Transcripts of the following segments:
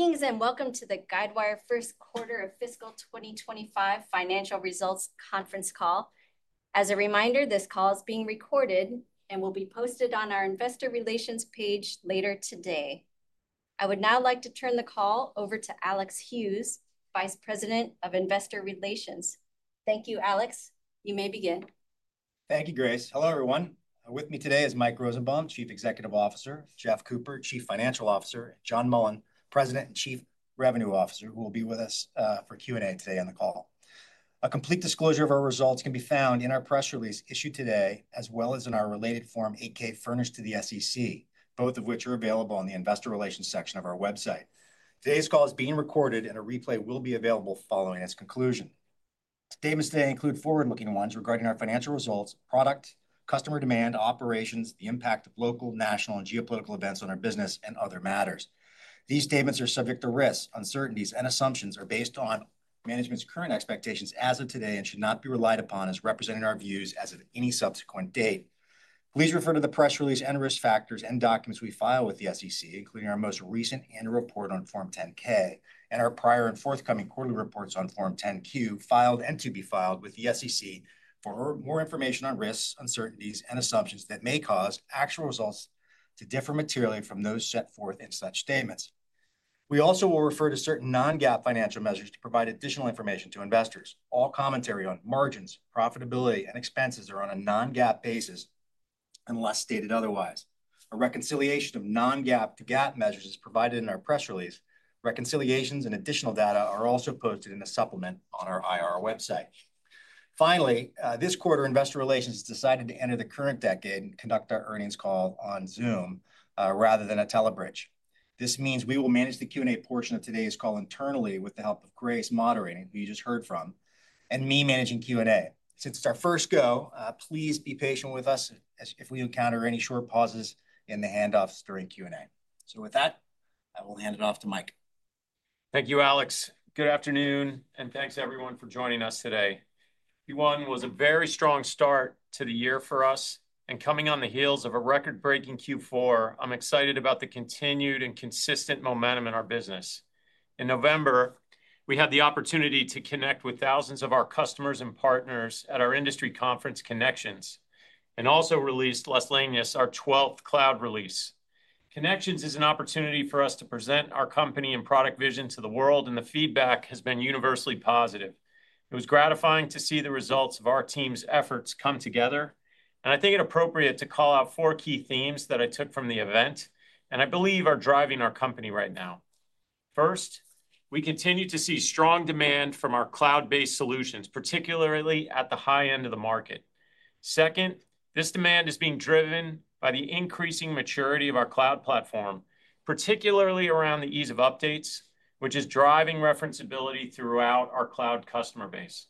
Greetings and welcome to the Guidewire First Quarter of Fiscal 2025 Financial Results Conference Call. As a reminder, this call is being recorded and will be posted on our Investor Relations page later today. I would now like to turn the call over to Alex Hughes, Vice President of Investor Relations. Thank you, Alex. You may begin. Thank you, Grace. Hello, everyone. With me today is Mike Rosenbaum, Chief Executive Officer, Jeff Cooper, Chief Financial Officer, and John Mullen, President and Chief Revenue Officer, who will be with us for Q&A today on the call. A complete disclosure of our results can be found in our press release issued today, as well as in our related Form 8-K furnished to the SEC, both of which are available in the Investor Relations section of our website. Today's call is being recorded, and a replay will be available following its conclusion. Statements today include forward-looking ones regarding our financial results, product, customer demand, operations, the impact of local, national, and geopolitical events on our business, and other matters. These statements are subject to risks, uncertainties, and assumptions, are based on management's current expectations as of today, and should not be relied upon as representing our views as of any subsequent date. Please refer to the press release and risk factors and documents we file with the SEC, including our most recent annual report on Form 10-K and our prior and forthcoming quarterly reports on Form 10-Q filed and to be filed with the SEC for more information on risks, uncertainties, and assumptions that may cause actual results to differ materially from those set forth in such statements. We also will refer to certain non-GAAP financial measures to provide additional information to investors. All commentary on margins, profitability, and expenses are on a non-GAAP basis unless stated otherwise. A reconciliation of non-GAAP to GAAP measures is provided in our press release. Reconciliations and additional data are also posted in a supplement on our IR website. Finally, this quarter, Investor Relations has decided to enter the current decade and conduct our earnings call on Zoom rather than a tele-bridge. This means we will manage the Q&A portion of today's call internally with the help of Grace moderating, who you just heard from, and me managing Q&A. Since it's our first go, please be patient with us if we encounter any short pauses in the handoffs during Q&A, so with that, I will hand it off to Mike. Thank you, Alex. Good afternoon, and thanks, everyone, for joining us today. Q1 was a very strong start to the year for us, and coming on the heels of a record-breaking Q4, I'm excited about the continued and consistent momentum in our business. In November, we had the opportunity to connect with thousands of our customers and partners at our industry conference, Connections, and also released Las Leñas our 12th cloud release. Connections is an opportunity for us to present our company and product vision to the world, and the feedback has been universally positive. It was gratifying to see the results of our team's efforts come together, and I think it appropriate to call out four key themes that I took from the event, and I believe are driving our company right now. First, we continue to see strong demand from our cloud-based solutions, particularly at the high end of the market. Second, this demand is being driven by the increasing maturity of our cloud platform, particularly around the ease of updates, which is driving referenceability throughout our cloud customer base.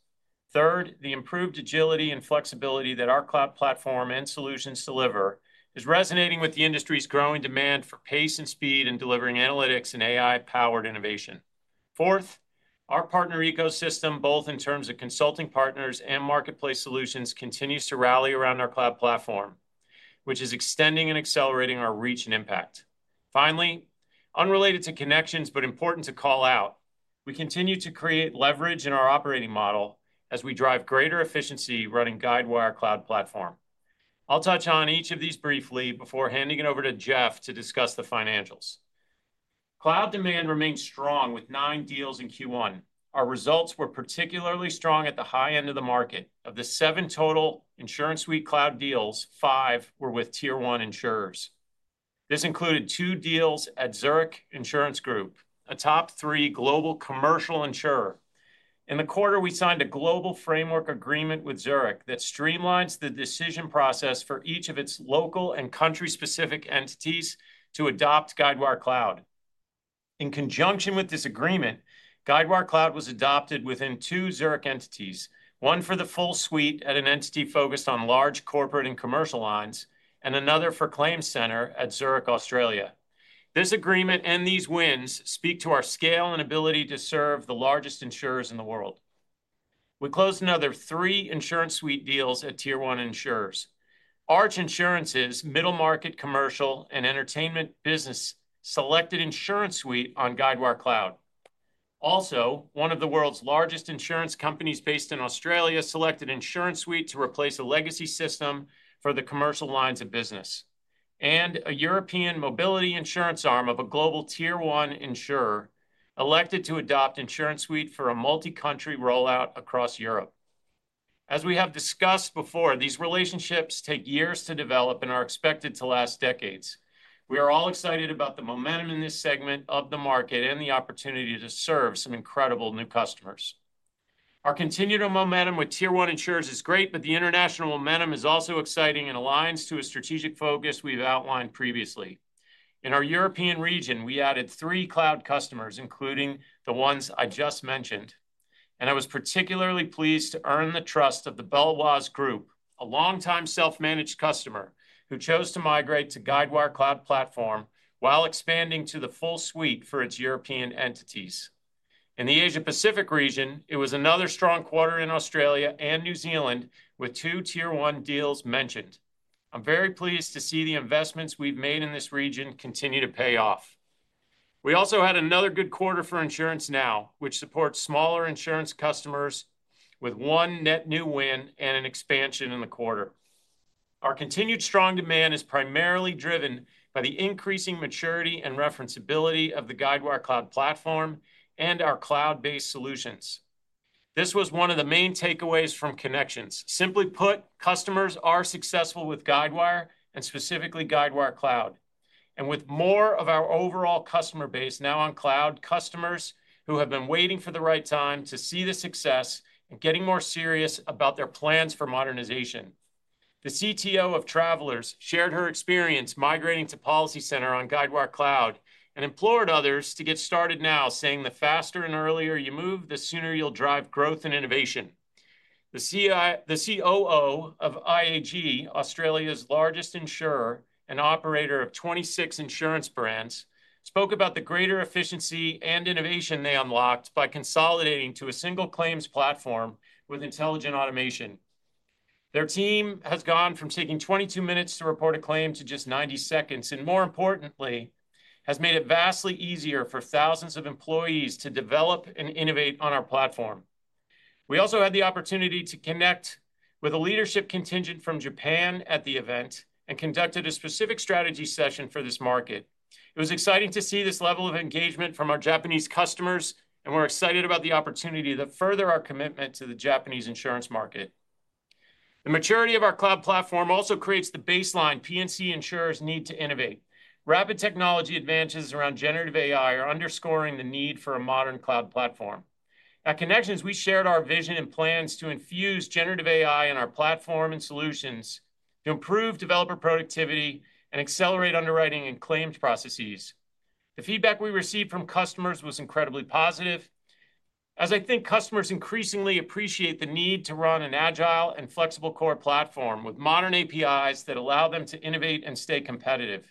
Third, the improved agility and flexibility that our cloud platform and solutions deliver is resonating with the industry's growing demand for pace and speed in delivering analytics and AI-powered innovation. Fourth, our partner ecosystem, both in terms of consulting partners and marketplace solutions, continues to rally around our cloud platform, which is extending and accelerating our reach and impact. Finally, unrelated to Connections, but important to call out, we continue to create leverage in our operating model as we drive greater efficiency running Guidewire Cloud Platform. I'll touch on each of these briefly before handing it over to Jeff to discuss the financials. Cloud demand remains strong with nine deals in Q1. Our results were particularly strong at the high end of the market. Of the seven total InsuranceSuite cloud deals, five were with Tier 1 insurers. This included two deals at Zurich Insurance Group, a top three global commercial insurer. In the quarter, we signed a global framework agreement with Zurich that streamlines the decision process for each of its local and country-specific entities to adopt Guidewire Cloud. In conjunction with this agreement, Guidewire Cloud was adopted within two Zurich entities, one for the full suite at an entity focused on large corporate and commercial lines, and another for ClaimCenter at Zurich, Australia. This agreement and these wins speak to our scale and ability to serve the largest insurers in the world. We closed another three InsuranceSuite deals at Tier 1 insurers. Arch Insurance's middle market, commercial, and entertainment business selected InsuranceSuite on Guidewire Cloud. Also, one of the world's largest insurance companies based in Australia selected InsuranceSuite to replace a legacy system for the commercial lines of business, and a European mobility insurance arm of a global Tier 1 insurer elected to adopt InsuranceSuite for a multi-country rollout across Europe. As we have discussed before, these relationships take years to develop and are expected to last decades. We are all excited about the momentum in this segment of the market and the opportunity to serve some incredible new customers. Our continued momentum with Tier 1 insurers is great, but the international momentum is also exciting and aligns to a strategic focus we've outlined previously. In our European region, we added three cloud customers, including the ones I just mentioned, and I was particularly pleased to earn the trust of the Baloise Group, a longtime self-managed customer who chose to migrate to Guidewire Cloud Platform while expanding to the full suite for its European entities. In the Asia-Pacific region, it was another strong quarter in Australia and New Zealand with two Tier 1 deals mentioned. I'm very pleased to see the investments we've made in this region continue to pay off. We also had another good quarter for InsuranceNow, which supports smaller insurance customers, with one net new win and an expansion in the quarter. Our continued strong demand is primarily driven by the increasing maturity and referenceability of the Guidewire Cloud Platform and our cloud-based solutions. This was one of the main takeaways from Connections. Simply put, customers are successful with Guidewire and specifically Guidewire Cloud, and with more of our overall customer base now on cloud, customers who have been waiting for the right time to see the success and getting more serious about their plans for modernization. The CTO of Travelers shared her experience migrating to PolicyCenter on Guidewire Cloud and implored others to get started now, saying, "The faster and earlier you move, the sooner you'll drive growth and innovation." The COO of IAG, Australia's largest insurer and operator of 26 insurance brands, spoke about the greater efficiency and innovation they unlocked by consolidating to a single claims platform with intelligent automation. Their team has gone from taking 22 minutes to report a claim to just 90 seconds, and more importantly, has made it vastly easier for thousands of employees to develop and innovate on our platform. We also had the opportunity to connect with a leadership contingent from Japan at the event and conducted a specific strategy session for this market. It was exciting to see this level of engagement from our Japanese customers, and we're excited about the opportunity to further our commitment to the Japanese insurance market. The maturity of our cloud platform also creates the baseline P&C insurers need to innovate. Rapid technology advances around generative AI are underscoring the need for a modern cloud platform. At Connections, we shared our vision and plans to infuse generative AI in our platform and solutions to improve developer productivity and accelerate underwriting and claims processes. The feedback we received from customers was incredibly positive, as I think customers increasingly appreciate the need to run an agile and flexible core platform with modern APIs that allow them to innovate and stay competitive.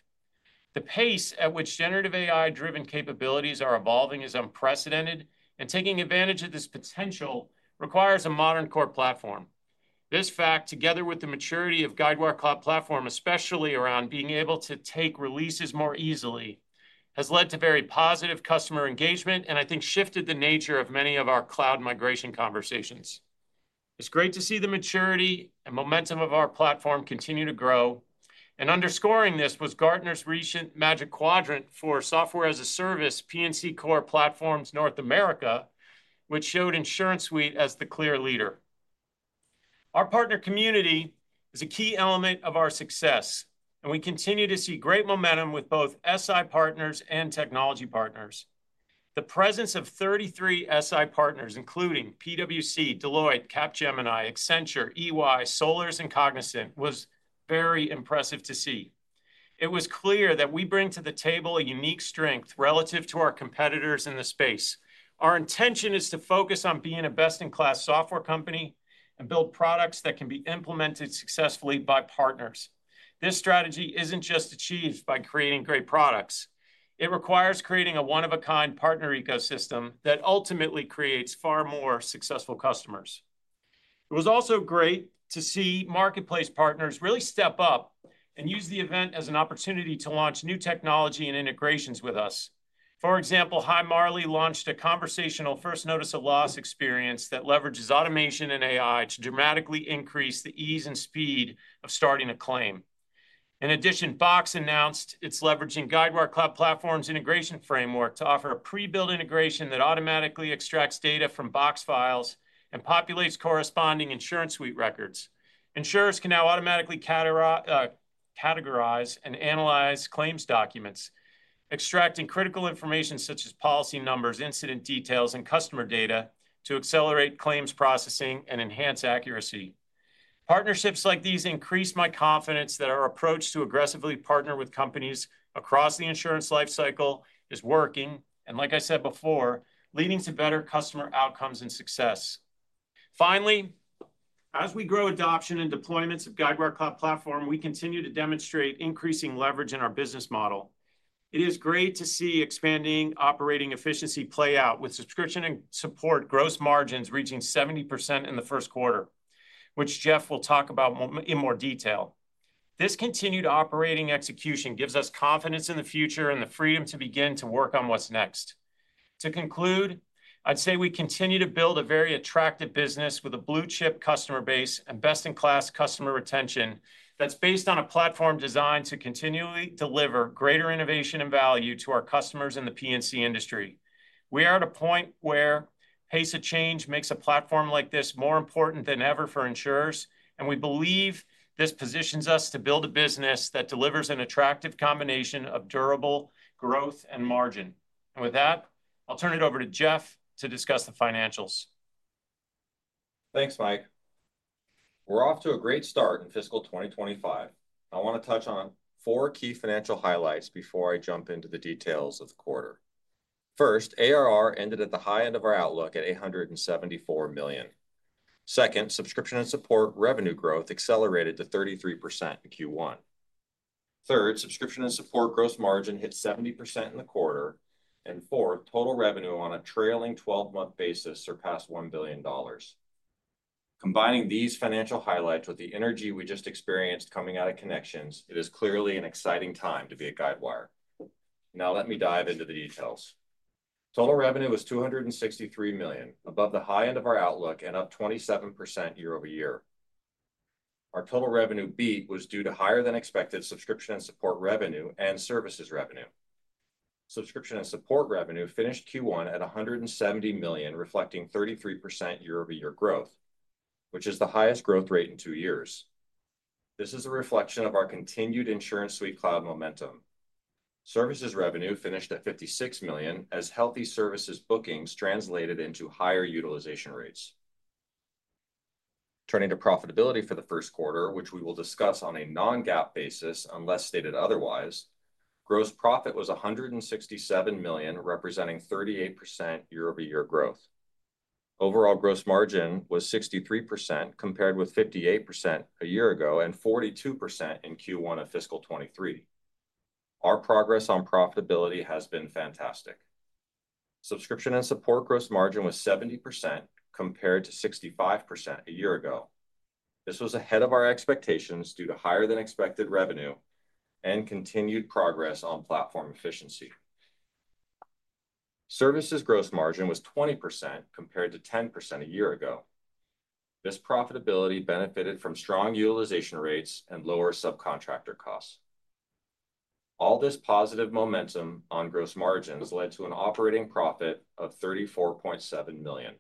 The pace at which generative AI-driven capabilities are evolving is unprecedented, and taking advantage of this potential requires a modern core platform. This fact, together with the maturity of Guidewire Cloud Platform, especially around being able to take releases more easily, has led to very positive customer engagement and I think shifted the nature of many of our cloud migration conversations. It's great to see the maturity and momentum of our platform continue to grow, and underscoring this was Gartner's recent Magic Quadrant for Software as a Service P&C Core Platforms, North America, which showed InsuranceSuite as the clear leader. Our partner community is a key element of our success, and we continue to see great momentum with both SI partners and technology partners. The presence of 33 SI partners, including PwC, Deloitte, Capgemini, Accenture, EY, Sollers, and Cognizant, was very impressive to see. It was clear that we bring to the table a unique strength relative to our competitors in the space. Our intention is to focus on being a best-in-class software company and build products that can be implemented successfully by partners. This strategy isn't just achieved by creating great products. It requires creating a one-of-a-kind partner ecosystem that ultimately creates far more successful customers. It was also great to see marketplace partners really step up and use the event as an opportunity to launch new technology and integrations with us. For example, Hi Marley launched a conversational first notice of loss experience that leverages automation and AI to dramatically increase the ease and speed of starting a claim. In addition, Box announced it's leveraging Guidewire Cloud Platform's integration framework to offer a pre-built integration that automatically extracts data from Box files and populates corresponding InsuranceSuite records. Insurers can now automatically categorize and analyze claims documents, extracting critical information such as policy numbers, incident details, and customer data to accelerate claims processing and enhance accuracy. Partnerships like these increase my confidence that our approach to aggressively partner with companies across the insurance lifecycle is working, and like I said before, leading to better customer outcomes and success. Finally, as we grow adoption and deployments of Guidewire Cloud Platform, we continue to demonstrate increasing leverage in our business model. It is great to see expanding operating efficiency play out with subscription and support gross margins reaching 70% in the first quarter, which Jeff will talk about in more detail. This continued operating execution gives us confidence in the future and the freedom to begin to work on what's next. To conclude, I'd say we continue to build a very attractive business with a blue-chip customer base and best-in-class customer retention that's based on a platform designed to continually deliver greater innovation and value to our customers in the P&C industry. We are at a point where pace of change makes a platform like this more important than ever for insurers, and we believe this positions us to build a business that delivers an attractive combination of durable growth and margin. And with that, I'll turn it over to Jeff to discuss the financials. Thanks, Mike. We're off to a great start in fiscal 2025. I want to touch on four key financial highlights before I jump into the details of the quarter. First, ARR ended at the high end of our outlook at $874 million. Second, subscription and support revenue growth accelerated to 33% in Q1. Third, subscription and support gross margin hit 70% in the quarter. And fourth, total revenue on a trailing 12-month basis surpassed $1 billion. Combining these financial highlights with the energy we just experienced coming out of Connections, it is clearly an exciting time to be at Guidewire. Now let me dive into the details. Total revenue was $263 million, above the high end of our outlook and up 27% year-over-year. Our total revenue beat was due to higher-than-expected subscription and support revenue and services revenue. Subscription and support revenue finished Q1 at $170 million, reflecting 33% year-over-year growth, which is the highest growth rate in two years. This is a reflection of our continued InsuranceSuite cloud momentum. Services revenue finished at $56 million as healthy services bookings translated into higher utilization rates. Turning to profitability for the first quarter, which we will discuss on a non-GAAP basis unless stated otherwise, gross profit was $167 million, representing 38% year-over-year growth. Overall gross margin was 63% compared with 58% a year ago and 42% in Q1 of fiscal 2023. Our progress on profitability has been fantastic. Subscription and support gross margin was 70% compared to 65% a year ago. This was ahead of our expectations due to higher-than-expected revenue and continued progress on platform efficiency. Services gross margin was 20% compared to 10% a year ago. This profitability benefited from strong utilization rates and lower subcontractor costs. All this positive momentum on gross margins led to an operating profit of $34.7 million.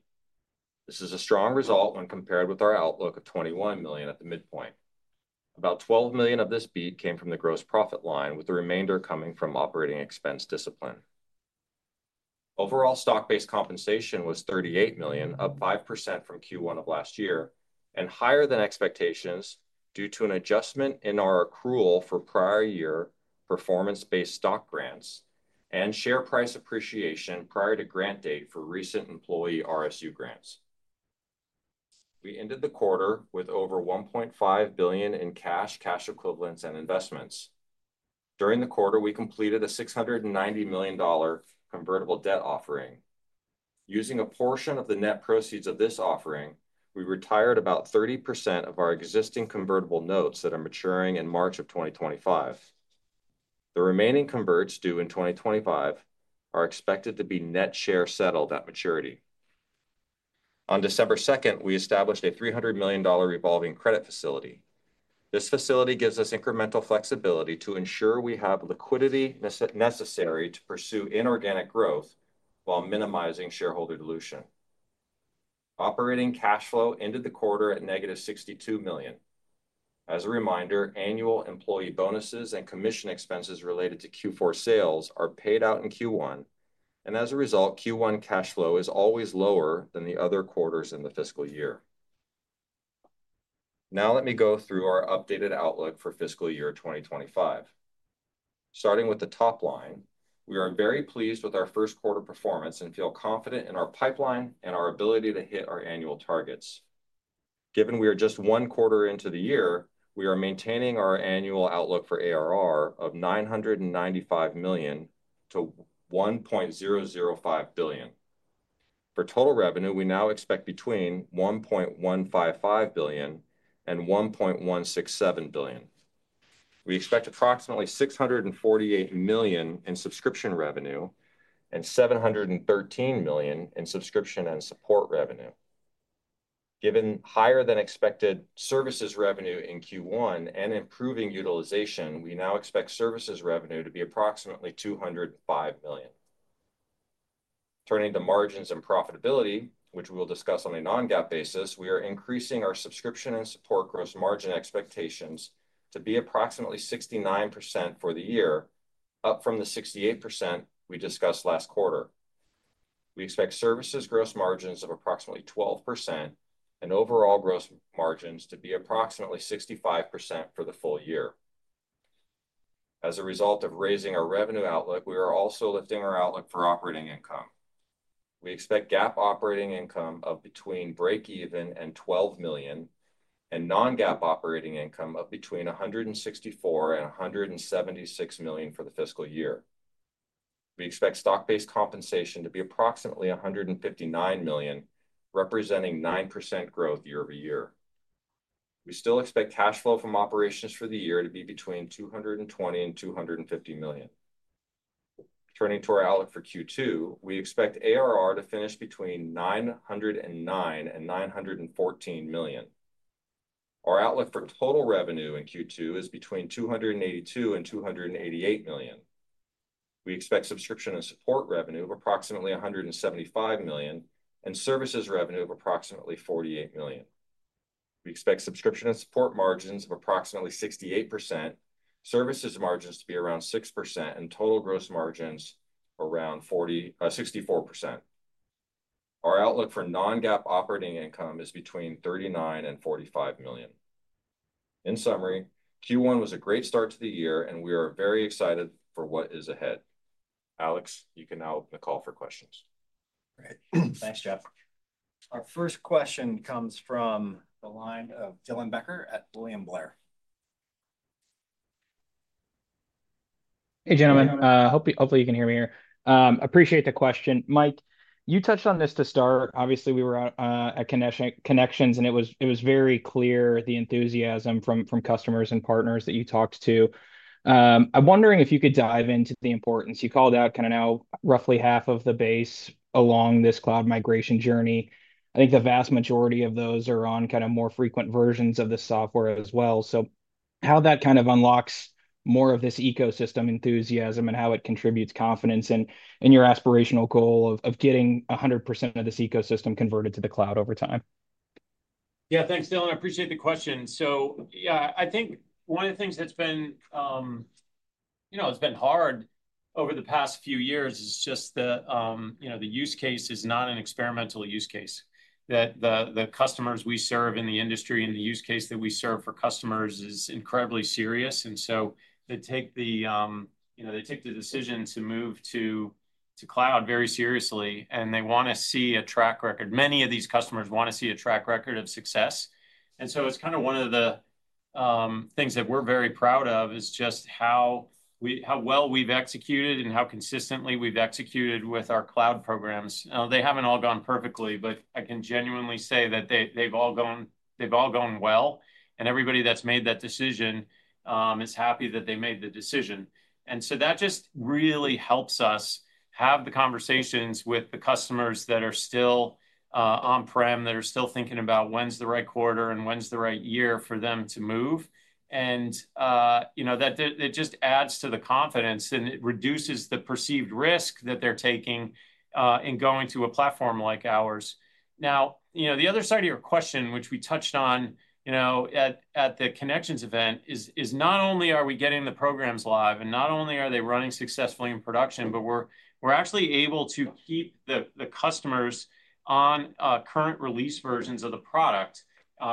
This is a strong result when compared with our outlook of $21 million at the midpoint. About $12 million of this beat came from the gross profit line, with the remainder coming from operating expense discipline. Overall stock-based compensation was $38 million, up 5% from Q1 of last year, and higher-than-expectations due to an adjustment in our accrual for prior year performance-based stock grants and share price appreciation prior to grant date for recent employee RSU grants. We ended the quarter with over $1.5 billion in cash, cash equivalents, and investments. During the quarter, we completed a $690 million convertible debt offering. Using a portion of the net proceeds of this offering, we retired about 30% of our existing convertible notes that are maturing in March of 2025. The remaining converts due in 2025 are expected to be net share settled at maturity. On December 2nd, we established a $300 million revolving credit facility. This facility gives us incremental flexibility to ensure we have liquidity necessary to pursue inorganic growth while minimizing shareholder dilution. Operating cash flow ended the quarter at -$62 million. As a reminder, annual employee bonuses and commission expenses related to Q4 sales are paid out in Q1, and as a result, Q1 cash flow is always lower than the other quarters in the fiscal year. Now let me go through our updated outlook for fiscal year 2025. Starting with the top line, we are very pleased with our first quarter performance and feel confident in our pipeline and our ability to hit our annual targets. Given we are just one quarter into the year, we are maintaining our annual outlook for ARR of $995 million-$1.005 billion. For total revenue, we now expect between $1.155 billion and $1.167 billion. We expect approximately $648 million in subscription revenue and $713 million in subscription and support revenue. Given higher-than-expected services revenue in Q1 and improving utilization, we now expect services revenue to be approximately $205 million. Turning to margins and profitability, which we'll discuss on a non-GAAP basis, we are increasing our subscription and support gross margin expectations to be approximately 69% for the year, up from the 68% we discussed last quarter. We expect services gross margins of approximately 12% and overall gross margins to be approximately 65% for the full year. As a result of raising our revenue outlook, we are also lifting our outlook for operating income. We expect GAAP operating income of between break-even and $12 million and non-GAAP operating income of between $164 million and $176 million for the fiscal year. We expect stock-based compensation to be approximately $159 million, representing 9% growth year-over-year. We still expect cash flow from operations for the year to be between $220 million and $250 million. Turning to our outlook for Q2, we expect ARR to finish between $909 million and $914 million. Our outlook for total revenue in Q2 is between $282 million and $288 million. We expect subscription and support revenue of approximately $175 million and services revenue of approximately $48 million. We expect subscription and support margins of approximately 68%, services margins to be around 6%, and total gross margins around 64%. Our outlook for non-GAAP operating income is between $39 million and $45 million. In summary, Q1 was a great start to the year, and we are very excited for what is ahead. Alex, you can now open the call for questions. Great. Thanks, Jeff. Our first question comes from the line of Dylan Becker at William Blair. Hey, gentlemen. Hopefully, you can hear me here. Appreciate the question. Mike, you touched on this to start. Obviously, we were at Connections, and it was very clear the enthusiasm from customers and partners that you talked to. I'm wondering if you could dive into the importance. You called out kind of now roughly half of the base along this cloud migration journey. I think the vast majority of those are on kind of more frequent versions of the software as well. So how that kind of unlocks more of this ecosystem enthusiasm and how it contributes confidence in your aspirational goal of getting 100% of this ecosystem converted to the cloud over time. Yeah, thanks, Dylan. I appreciate the question, so yeah, I think one of the things that's been, you know, it's been hard over the past few years is just the, you know, the use case is not an experimental use case that the customers we serve in the industry and the use case that we serve for customers is incredibly serious, and so they take the, you know, they take the decision to move to cloud very seriously, and they want to see a track record. Many of these customers want to see a track record of success, and so it's kind of one of the things that we're very proud of is just how well we've executed and how consistently we've executed with our cloud programs. They haven't all gone perfectly, but I can genuinely say that they've all gone well. Everybody that's made that decision is happy that they made the decision. So that just really helps us have the conversations with the customers that are still on-prem, that are still thinking about when's the right quarter and when's the right year for them to move. You know, that it just adds to the confidence and it reduces the perceived risk that they're taking in going to a platform like ours. Now, you know, the other side of your question, which we touched on, you know, at the Connections event is not only are we getting the programs live and not only are they running successfully in production, but we're actually able to keep the customers on current release versions of the product,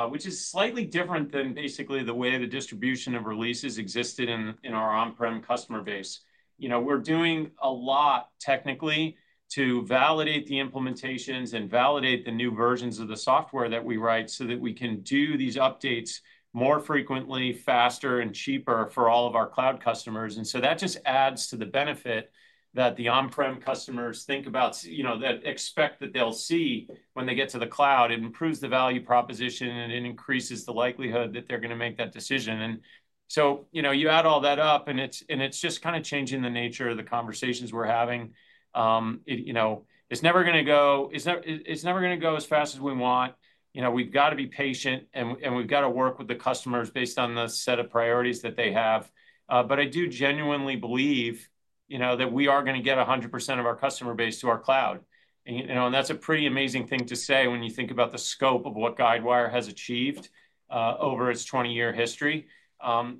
which is slightly different than basically the way the distribution of releases existed in our on-prem customer base. You know, we're doing a lot technically to validate the implementations and validate the new versions of the software that we write so that we can do these updates more frequently, faster, and cheaper for all of our cloud customers. And so that just adds to the benefit that the on-prem customers think about, you know, that expect that they'll see when they get to the cloud. It improves the value proposition and it increases the likelihood that they're going to make that decision. And so, you know, you add all that up and it's just kind of changing the nature of the conversations we're having. You know, it's never going to go, it's never going to go as fast as we want. You know, we've got to be patient and we've got to work with the customers based on the set of priorities that they have. But I do genuinely believe, you know, that we are going to get 100% of our customer base to our cloud. And, you know, and that's a pretty amazing thing to say when you think about the scope of what Guidewire has achieved over its 20-year history.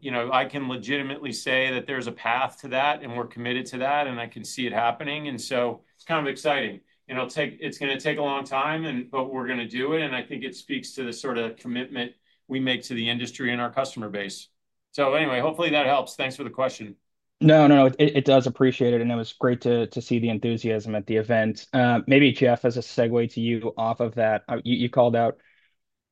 You know, I can legitimately say that there's a path to that and we're committed to that and I can see it happening. And so it's kind of exciting. You know, it's going to take a long time, but we're going to do it. And I think it speaks to the sort of commitment we make to the industry and our customer base. So anyway, hopefully that helps. Thanks for the question. No, no, no. It does appreciate it. And it was great to see the enthusiasm at the event. Maybe, Jeff, as a segue to you off of that, you called out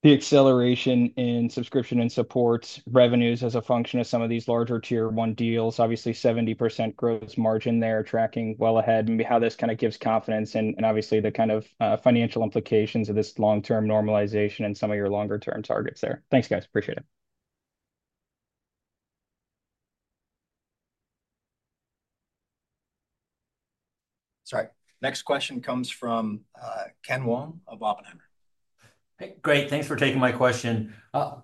the acceleration in subscription and support revenues as a function of some of these larger Tier 1 deals. Obviously, 70% gross margin there tracking well ahead. Maybe how this kind of gives confidence and obviously the kind of financial implications of this long-term normalization and some of your longer-term targets there. Thanks, guys. Appreciate it. Sorry. Next question comes from Ken Wong of Oppenheimer. Hey, great. Thanks for taking my question.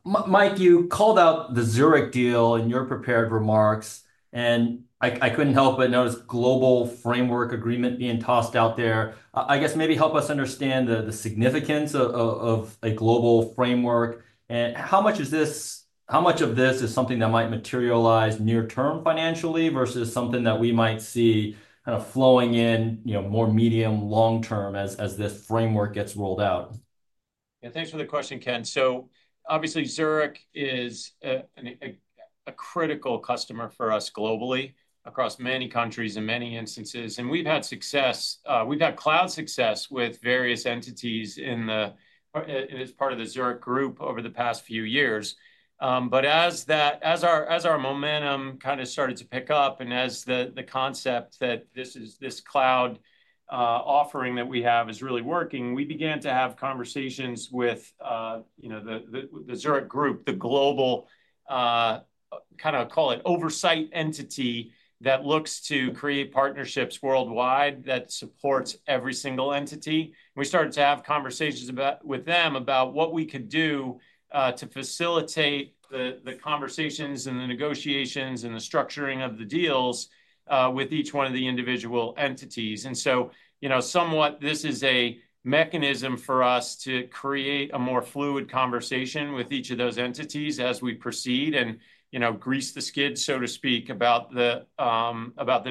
Mike, you called out the Zurich deal in your prepared remarks, and I couldn't help but notice global framework agreement being tossed out there. I guess maybe help us understand the significance of a global framework, and how much is this, how much of this is something that might materialize near-term financially versus something that we might see kind of flowing in, you know, more medium long-term as this framework gets rolled out? Yeah, thanks for the question, Ken. So obviously, Zurich is a critical customer for us globally across many countries in many instances, and we've had success. We've had cloud success with various entities in the, as part of the Zurich group over the past few years, but as that, as our momentum kind of started to pick up and as the concept that this is this cloud offering that we have is really working, we began to have conversations with, you know, the Zurich group, the global kind of call it oversight entity that looks to create partnerships worldwide that supports every single entity. We started to have conversations with them about what we could do to facilitate the conversations and the negotiations and the structuring of the deals with each one of the individual entities. And so, you know, somewhat this is a mechanism for us to create a more fluid conversation with each of those entities as we proceed and, you know, grease the skids, so to speak, about the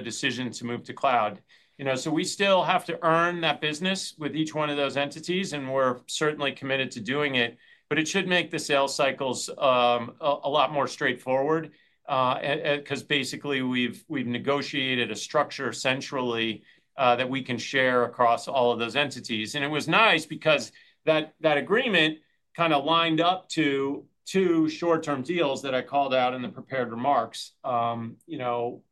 decision to move to cloud. You know, so we still have to earn that business with each one of those entities, and we're certainly committed to doing it, but it should make the sales cycles a lot more straightforward because basically we've negotiated a structure centrally that we can share across all of those entities. And it was nice because that agreement kind of lined up to two short-term deals that I called out in the prepared remarks. You know,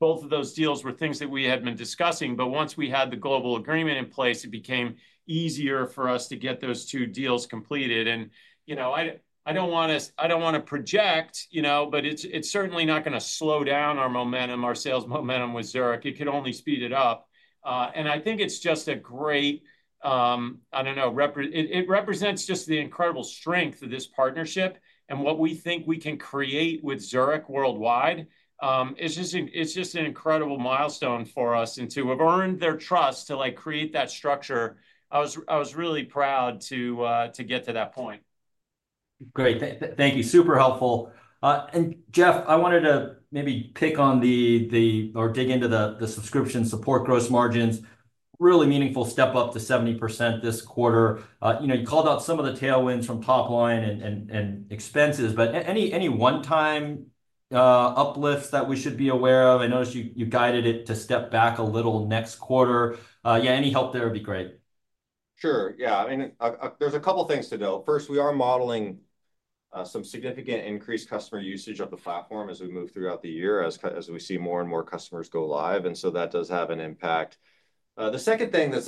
both of those deals were things that we had been discussing, but once we had the global agreement in place, it became easier for us to get those two deals completed. You know, I don't want to project, you know, but it's certainly not going to slow down our momentum, our sales momentum with Zurich. It could only speed it up. I think it's just a great, I don't know, it represents just the incredible strength of this partnership and what we think we can create with Zurich worldwide. It's just an incredible milestone for us and to have earned their trust to like create that structure. I was really proud to get to that point. Great. Thank you. Super helpful. And Jeff, I wanted to maybe pick on the, or dig into the subscription support gross margins, really meaningful step up to 70% this quarter. You know, you called out some of the tailwinds from top line and expenses, but any one-time uplifts that we should be aware of? I noticed you guided it to step back a little next quarter. Yeah, any help there would be great. Sure. Yeah. I mean, there's a couple of things to know. First, we are modeling some significant increased customer usage of the platform as we move throughout the year as we see more and more customers go live. And so that does have an impact. The second thing that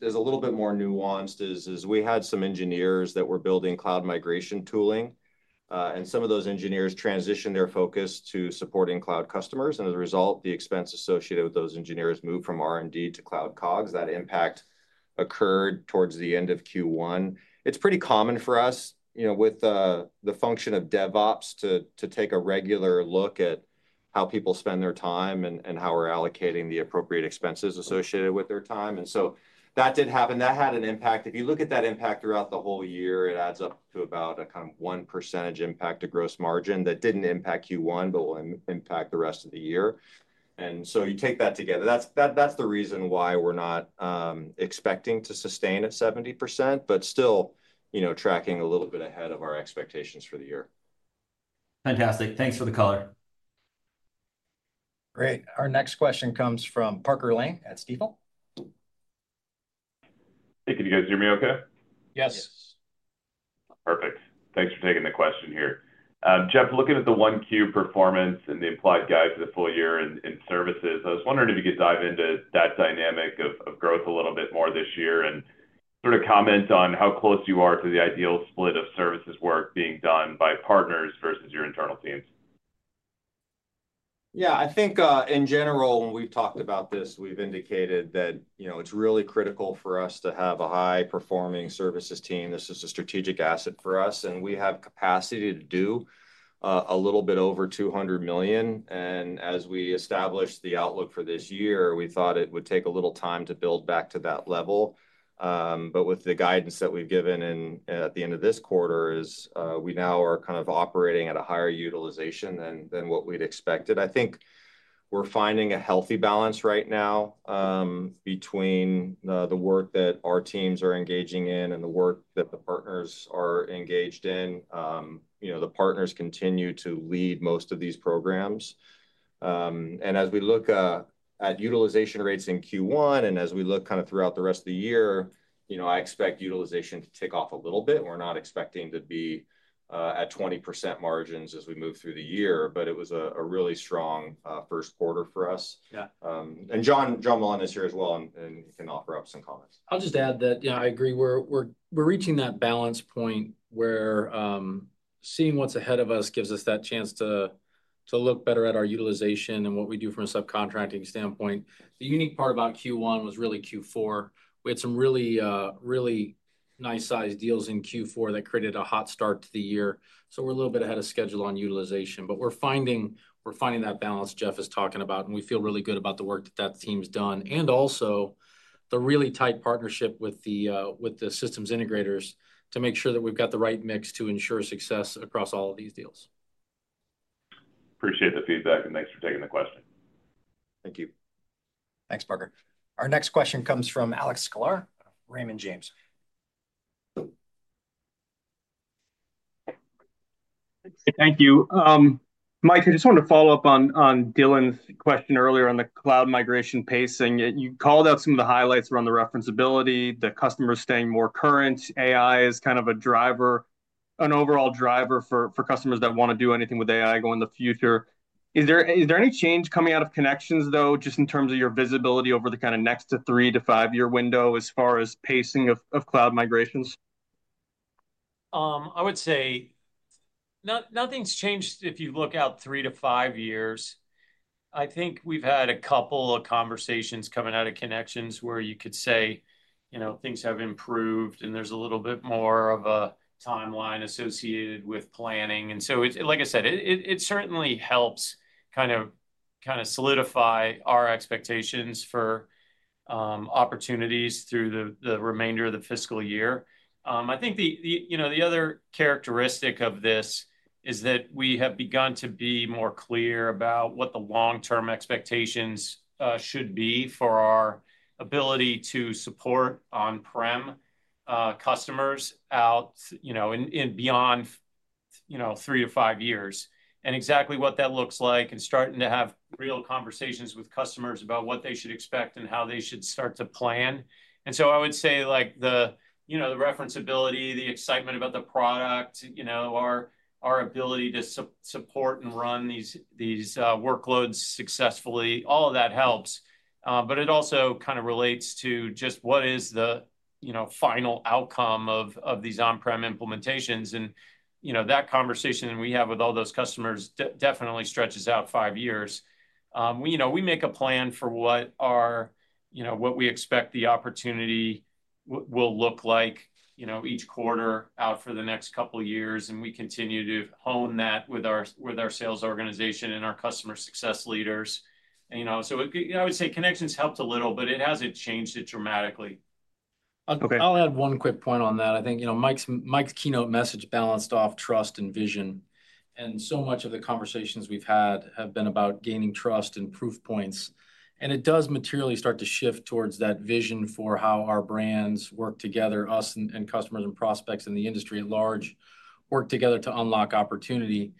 is a little bit more nuanced is we had some engineers that were building cloud migration tooling, and some of those engineers transitioned their focus to supporting cloud customers. And as a result, the expense associated with those engineers moved from R&D to cloud COGS. That impact occurred towards the end of Q1. It's pretty common for us, you know, with the function of DevOps to take a regular look at how people spend their time and how we're allocating the appropriate expenses associated with their time. And so that did happen. That had an impact. If you look at that impact throughout the whole year, it adds up to about a kind of 1% impact to gross margin that didn't impact Q1, but will impact the rest of the year, and so you take that together. That's the reason why we're not expecting to sustain at 70%, but still, you know, tracking a little bit ahead of our expectations for the year. Fantastic. Thanks for the color. Great. Our next question comes from Parker Lane at Stifel. Hey, can you guys hear me okay? Yes. Perfect. Thanks for taking the question here. Jeff, looking at the 1Q performance and the implied guide for the full year in services, I was wondering if you could dive into that dynamic of growth a little bit more this year and sort of comment on how close you are to the ideal split of services work being done by partners versus your internal teams. Yeah, I think in general, when we've talked about this, we've indicated that, you know, it's really critical for us to have a high-performing services team. This is a strategic asset for us, and we have capacity to do a little bit over $200 million. As we established the outlook for this year, we thought it would take a little time to build back to that level. With the guidance that we've given at the end of this quarter, we now are kind of operating at a higher utilization than what we'd expected. I think we're finding a healthy balance right now between the work that our teams are engaging in and the work that the partners are engaged in. You know, the partners continue to lead most of these programs. And as we look at utilization rates in Q1 and as we look kind of throughout the rest of the year, you know, I expect utilization to tick off a little bit. We're not expecting to be at 20% margins as we move through the year, but it was a really strong first quarter for us. And John Mullen is here as well, and he can offer up some comments. I'll just add that, you know, I agree. We're reaching that balance point where seeing what's ahead of us gives us that chance to look better at our utilization and what we do from a subcontracting standpoint. The unique part about Q1 was really Q4. We had some really, really nice sized deals in Q4 that created a hot start to the year. So we're a little bit ahead of schedule on utilization, but we're finding that balance Jeff is talking about, and we feel really good about the work that that team's done and also the really tight partnership with the systems integrators to make sure that we've got the right mix to ensure success across all of these deals. Appreciate the feedback and thanks for taking the question. Thank you. Thanks, Parker. Our next question comes from Alex Sklar, Raymond James. Thank you. Mike, I just want to follow up on Dylan's question earlier on the cloud migration pacing. You called out some of the highlights around the referenceability, the customers staying more current. AI is kind of a driver, an overall driver for customers that want to do anything with AI going in the future. Is there any change coming out of Connections, though, just in terms of your visibility over the kind of next two to three- to five-year window as far as pacing of cloud migrations? I would say nothing's changed if you look out three to five years. I think we've had a couple of conversations coming out of Connections where you could say, you know, things have improved and there's a little bit more of a timeline associated with planning. And so, like I said, it certainly helps kind of solidify our expectations for opportunities through the remainder of the fiscal year. I think the, you know, the other characteristic of this is that we have begun to be more clear about what the long-term expectations should be for our ability to support on-prem customers out, you know, and beyond, you know, three to five years, and exactly what that looks like and starting to have real conversations with customers about what they should expect and how they should start to plan. And so I would say like the, you know, the referenceability, the excitement about the product, you know, our ability to support and run these workloads successfully, all of that helps. But it also kind of relates to just what is the, you know, final outcome of these on-prem implementations. And, you know, that conversation we have with all those customers definitely stretches out five years. You know, we make a plan for what our, you know, what we expect the opportunity will look like, you know, each quarter out for the next couple of years. And we continue to hone that with our sales organization and our customer success leaders. And, you know, so I would say Connections helped a little, but it hasn't changed it dramatically. I'll add one quick point on that. I think, you know, Mike's keynote message balances trust and vision. So much of the conversations we've had have been about gaining trust and proof points. It does materially start to shift towards that vision for how our brands work together, us and customers and prospects in the industry at large work together to unlock opportunity.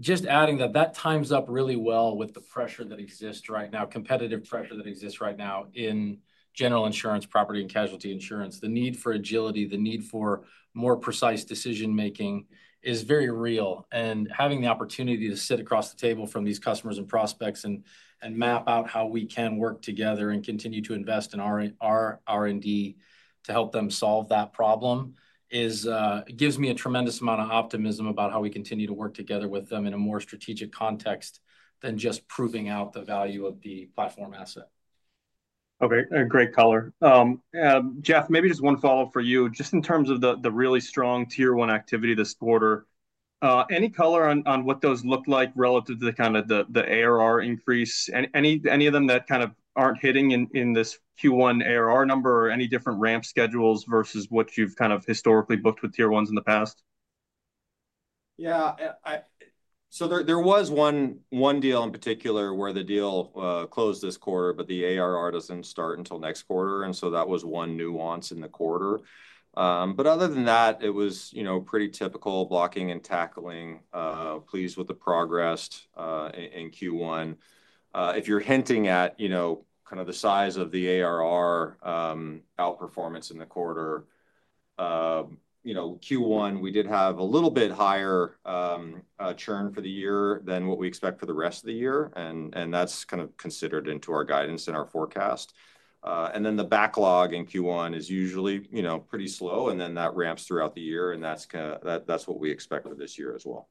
Just adding that that ties up really well with the pressure that exists right now, competitive pressure that exists right now in general insurance, property and casualty insurance. The need for agility, the need for more precise decision-making is very real. And having the opportunity to sit across the table from these customers and prospects and map out how we can work together and continue to invest in our R&D to help them solve that problem gives me a tremendous amount of optimism about how we continue to work together with them in a more strategic context than just proving out the value of the platform asset. Okay. Great color. Jeff, maybe just one follow-up for you. Just in terms of the really strong Tier 1 activity this quarter, any color on what those look like relative to kind of the ARR increase? Any of them that kind of aren't hitting in this Q1 ARR number or any different ramp schedules versus what you've kind of historically booked with Tier 1s in the past? Yeah. So there was one deal in particular where the deal closed this quarter, but the ARR doesn't start until next quarter. And so that was one nuance in the quarter. But other than that, it was, you know, pretty typical blocking and tackling, pleased with the progress in Q1. If you're hinting at, you know, kind of the size of the ARR outperformance in the quarter, you know, Q1, we did have a little bit higher churn for the year than what we expect for the rest of the year. And that's kind of considered into our guidance and our forecast. And then the backlog in Q1 is usually, you know, pretty slow. And then that ramps throughout the year. And that's what we expect for this year as well.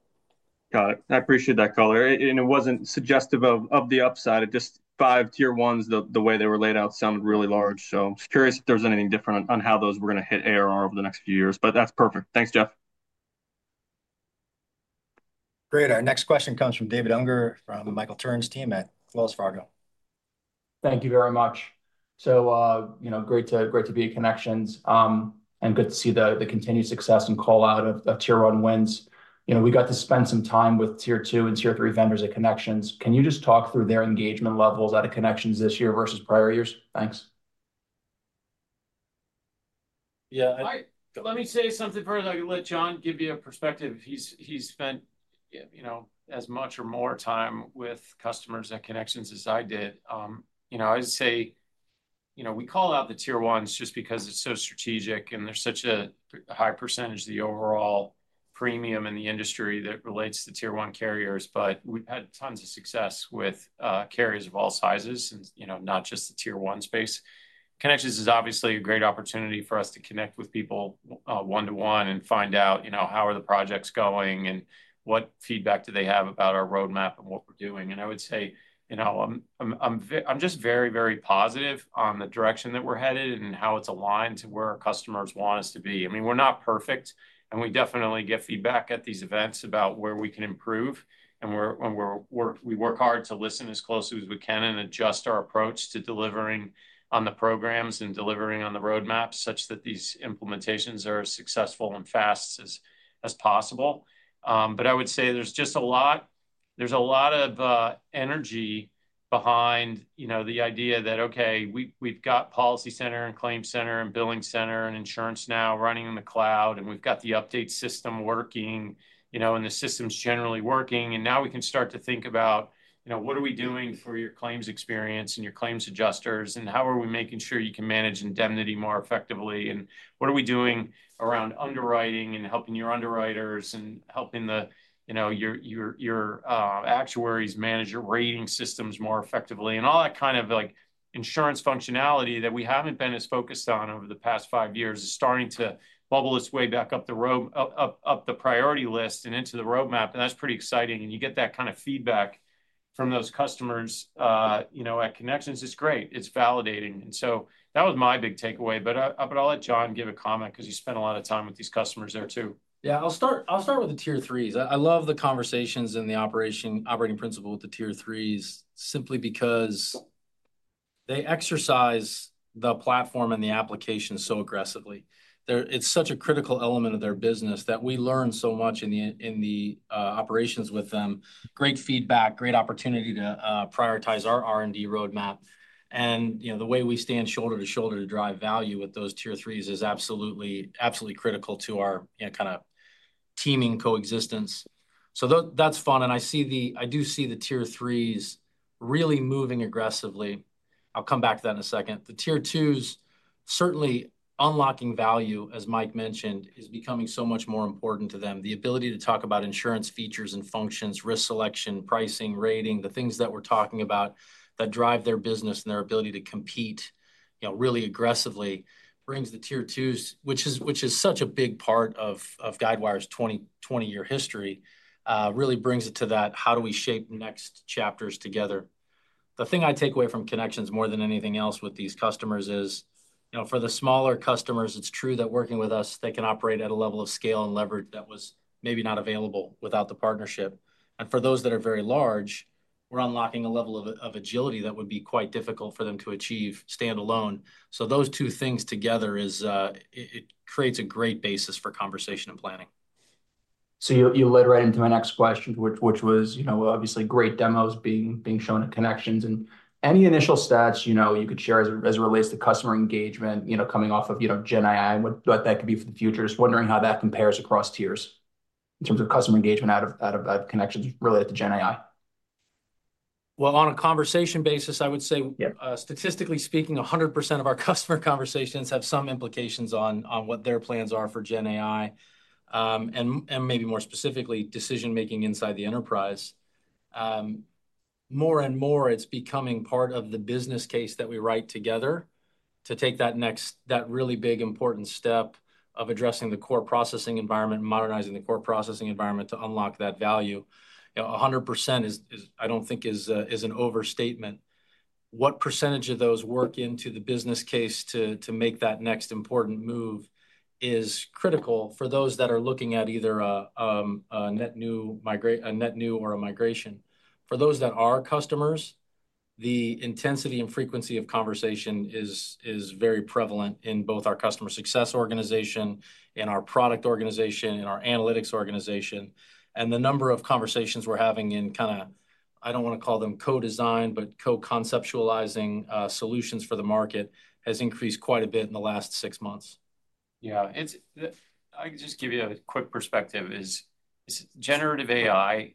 Got it. I appreciate that color. And it wasn't suggestive of the upside. It just five Tier 1s, the way they were laid out sounded really large. So curious if there's anything different on how those were going to hit ARR over the next few years. But that's perfect. Thanks, Jeff. Great. Our next question comes from David Unger from Michael Turrin's team at Wells Fargo. Thank you very much. So, you know, great to be at Connections and good to see the continued success and call out of tier one wins. You know, we got to spend some time with Tier 2 and Tier 3 vendors at Connections. Can you just talk through their engagement levels out of Connections this year versus prior years? Thanks. Yeah. Let me say something first. I can let John give you a perspective. He's spent, you know, as much or more time with customers at Connections as I did. You know, I would say, you know, we call out the Tier 1s just because it's so strategic and there's such a high percentage of the overall premium in the industry that relates to Tier 1 carriers. But we've had tons of success with carriers of all sizes and, you know, not just the Tier 1 space. Connections is obviously a great opportunity for us to connect with people one-to-one and find out, you know, how are the projects going and what feedback do they have about our roadmap and what we're doing. And I would say, you know, I'm just very, very positive on the direction that we're headed and how it's aligned to where our customers want us to be. I mean, we're not perfect. And we definitely get feedback at these events about where we can improve. And we work hard to listen as closely as we can and adjust our approach to delivering on the programs and delivering on the roadmaps such that these implementations are as successful and fast as possible. But I would say there's just a lot of energy behind, you know, the idea that, okay, we've got PolicyCenter and ClaimCenter and BillingCenter and InsuranceNow running in the cloud and we've got the update system working, you know, and the system's generally working. And now we can start to think about, you know, what are we doing for your claims experience and your claims adjusters and how are we making sure you can manage indemnity more effectively and what are we doing around underwriting and helping your underwriters and helping the, you know, your actuaries manage your rating systems more effectively. And all that kind of like insurance functionality that we haven't been as focused on over the past five years is starting to bubble its way back up the priority list and into the roadmap. And that's pretty exciting. And you get that kind of feedback from those customers, you know, at Connections. It's great. It's validating. And so that was my big takeaway. But I'll let John give a comment because he spent a lot of time with these customers there too. Yeah. I'll start with the Tier 3s. I love the conversations and the operating principle with the Tier 3s simply because they exercise the platform and the application so aggressively. It's such a critical element of their business that we learn so much in the operations with them. Great feedback, great opportunity to prioritize our R&D roadmap. And, you know, the way we stand shoulder to shoulder to drive value with those Tier 3s is absolutely critical to our kind of teaming coexistence. So that's fun. And I see the, I do see the Tier 3s really moving aggressively. I'll come back to that in a second. The Tier 2s certainly unlocking value, as Mike mentioned, is becoming so much more important to them. The ability to talk about insurance features and functions, risk selection, pricing, rating, the things that we're talking about that drive their business and their ability to compete, you know, really aggressively brings the Tier 2s, which is such a big part of Guidewire's 20-year history, really brings it to that, how do we shape next chapters together. The thing I take away from Connections more than anything else with these customers is, you know, for the smaller customers, it's true that working with us, they can operate at a level of scale and leverage that was maybe not available without the partnership. And for those that are very large, we're unlocking a level of agility that would be quite difficult for them to achieve standalone. So those two things together is, it creates a great basis for conversation and planning. So you led right into my next question, which was, you know, obviously great demos being shown at Connections. And any initial stats, you know, you could share as it relates to customer engagement, you know, coming off of, you know, GenAI and what that could be for the future, just wondering how that compares across tiers in terms of customer engagement out of Connections related to GenAI? On a conversation basis, I would say, statistically speaking, 100% of our customer conversations have some implications on what their plans are for GenAI and maybe more specifically decision-making inside the enterprise. More and more, it's becoming part of the business case that we write together to take that next, that really big important step of addressing the core processing environment and modernizing the core processing environment to unlock that value. You know, 100% is, I don't think is an overstatement. What percentage of those work into the business case to make that next important move is critical for those that are looking at either a net new or a migration. For those that are customers, the intensity and frequency of conversation is very prevalent in both our customer success organization and our product organization and our analytics organization. The number of conversations we're having in kind of, I don't want to call them co-design, but co-conceptualizing solutions for the market has increased quite a bit in the last six months. Yeah. I can just give you a quick perspective. Generative AI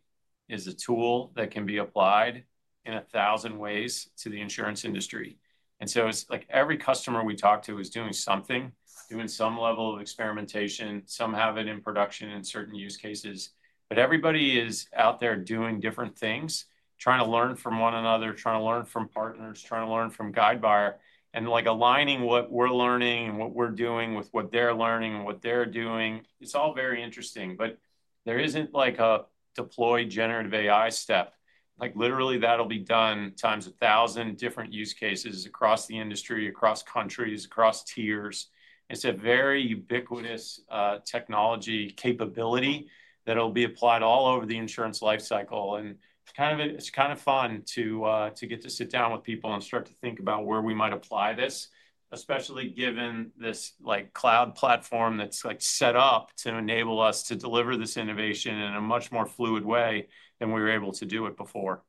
is a tool that can be applied in a thousand ways to the insurance industry. And so it's like every customer we talk to is doing something, doing some level of experimentation, some have it in production in certain use cases. But everybody is out there doing different things, trying to learn from one another, trying to learn from partners, trying to learn from Guidewire. And like aligning what we're learning and what we're doing with what they're learning and what they're doing, it's all very interesting. But there isn't like a deployed generative AI step. Like literally that'll be done times a thousand different use cases across the industry, across countries, across tiers. It's a very ubiquitous technology capability that'll be applied all over the insurance lifecycle. It's kind of fun to get to sit down with people and start to think about where we might apply this, especially given this like cloud platform that's like set up to enable us to deliver this innovation in a much more fluid way than we were able to do it before.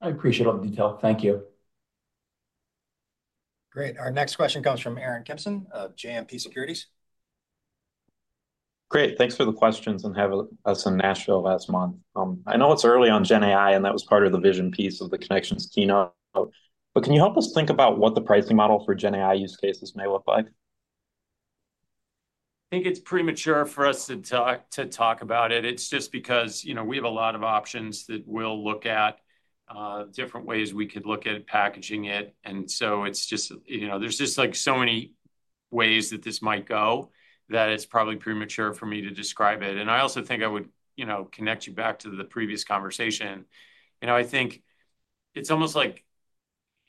I appreciate all the detail. Thank you. Great. Our next question comes from Aaron Kimson of JMP Securities. Great. Thanks for the questions and having us in Nashville last month. I know it's early on GenAI and that was part of the vision piece of the Connections keynote. But can you help us think about what the pricing model for GenAI use cases may look like? I think it's premature for us to talk about it. It's just because, you know, we have a lot of options that we'll look at, different ways we could look at packaging it. And so it's just, you know, there's just like so many ways that this might go that it's probably premature for me to describe it. And I also think I would, you know, connect you back to the previous conversation. You know, I think it's almost like,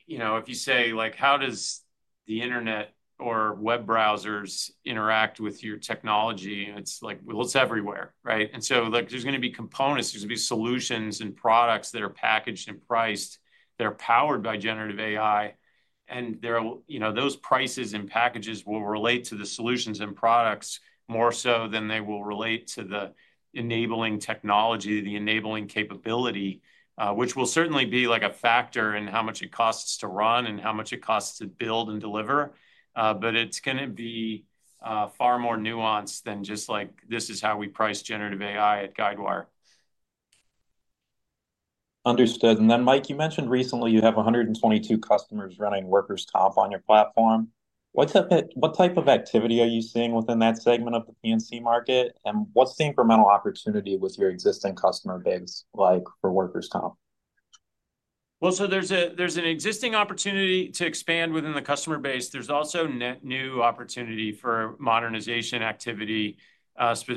you know, if you say like, how does the internet or web browsers interact with your technology? It's like, well, it's everywhere, right? And so like there's going to be components, there's going to be solutions and products that are packaged and priced that are powered by generative AI. There, you know, those prices and packages will relate to the solutions and products more so than they will relate to the enabling technology, the enabling capability, which will certainly be like a factor in how much it costs to run and how much it costs to build and deliver. But it's going to be far more nuanced than just like, this is how we price generative AI at Guidewire. Understood. And then, Mike, you mentioned recently you have 122 customers running Workers' Comp on your platform. What type of activity are you seeing within that segment of the P&C market? And what's the incremental opportunity with your existing customer base like for Workers' Comp? There's an existing opportunity to expand within the customer base. There's also net new opportunity for modernization activity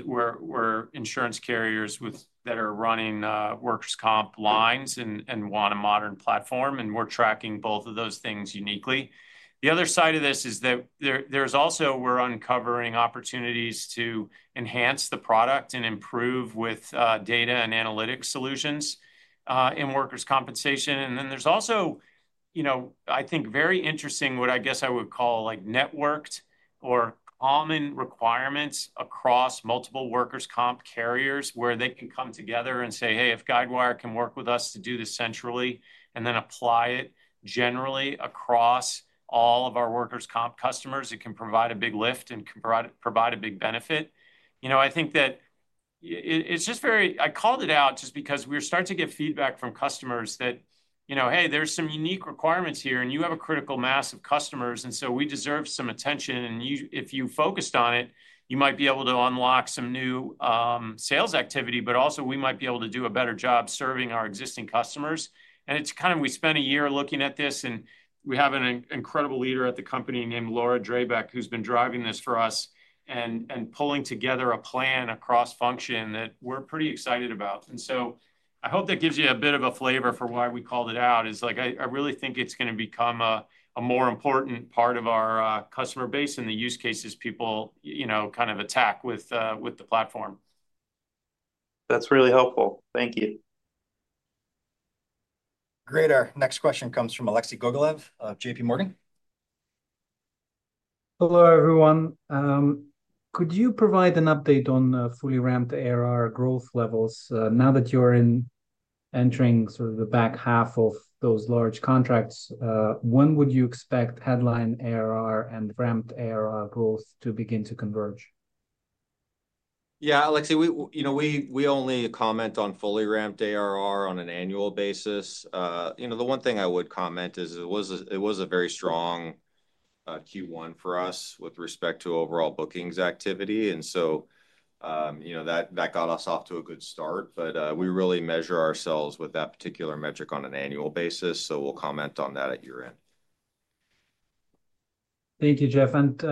where insurance carriers that are running Workers' Comp lines and want a modern platform. We're tracking both of those things uniquely. The other side of this is that we're uncovering opportunities to enhance the product and improve with data and analytic solutions in Workers' Compensation. There's also, you know, I think very interesting what I guess I would call like networked or common requirements across multiple Workers' Comp carriers where they can come together and say, hey, if Guidewire can work with us to do this centrally and then apply it generally across all of our Workers' Comp customers, it can provide a big lift and can provide a big benefit. You know, I think that it's just very, I called it out just because we're starting to get feedback from customers that, you know, hey, there's some unique requirements here and you have a critical mass of customers, and so we deserve some attention, and if you focused on it, you might be able to unlock some new sales activity, but also we might be able to do a better job serving our existing customers, and it's kind of, we spent a year looking at this and we have an incredible leader at the company named Laura Drabik who's been driving this for us and pulling together a plan across function that we're pretty excited about. And so, I hope that gives you a bit of a flavor for why we called it out. Like, I really think it's going to become a more important part of our customer base and the use cases people, you know, kind of attack with the platform. That's really helpful. Thank you. Great. Our next question comes from Alexei Gogolev of JPMorgan. Hello, everyone. Could you provide an update on fully ramped ARR growth levels now that you're now entering sort of the back half of those large contracts? When would you expect headline ARR and ramped ARR growth to begin to converge? Yeah, Alexei, you know, we only comment on fully ramped ARR on an annual basis. You know, the one thing I would comment is it was a very strong Q1 for us with respect to overall bookings activity. And so, you know, that got us off to a good start. But we really measure ourselves with that particular metric on an annual basis. So we'll comment on that at year-end. Thank you, Jeff, and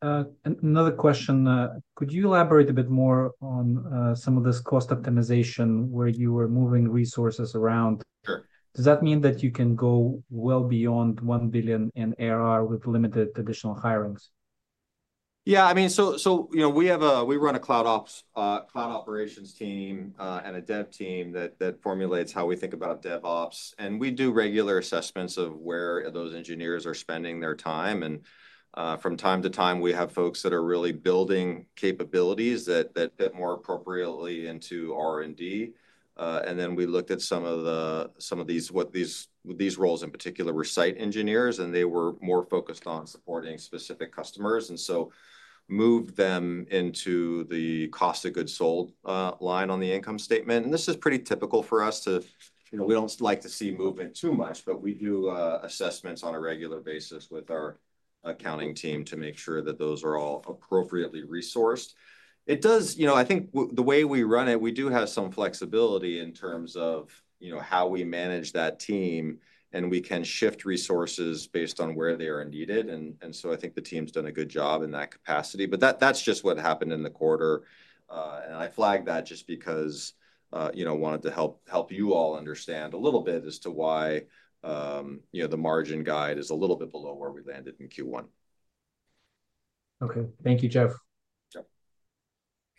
another question. Could you elaborate a bit more on some of this cost optimization where you were moving resources around? Sure. Does that mean that you can go well beyond $1 billion in ARR with limited additional hirings? Yeah. I mean, so, you know, we run a CloudOps Cloud Operations team and a dev team that formulates how we think about DevOps. And we do regular assessments of where those engineers are spending their time. And from time to time, we have folks that are really building capabilities that fit more appropriately into R&D. And then we looked at some of these, what these roles in particular were site engineers, and they were more focused on supporting specific customers. And so moved them into the cost of goods sold line on the income statement. And this is pretty typical for us to, you know, we don't like to see movement too much, but we do assessments on a regular basis with our accounting team to make sure that those are all appropriately resourced. It does, you know. I think the way we run it, we do have some flexibility in terms of, you know, how we manage that team. And we can shift resources based on where they are needed. And so I think the team's done a good job in that capacity. But that's just what happened in the quarter. And I flagged that just because, you know, wanted to help you all understand a little bit as to why, you know, the margin guide is a little bit below where we landed in Q1. Okay. Thank you, Jeff.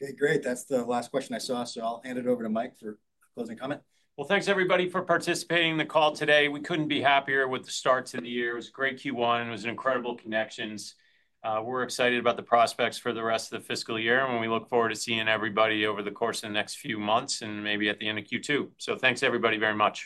Okay. Great. That's the last question I saw. So I'll hand it over to Mike for closing comment. Thanks everybody for participating in the call today. We couldn't be happier with the start to the year. It was a great Q1. It was incredible Connections. We're excited about the prospects for the rest of the fiscal year. We look forward to seeing everybody over the course of the next few months and maybe at the end of Q2. Thanks everybody very much.